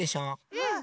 うん！